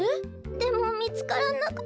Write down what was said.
でもみつからなくて。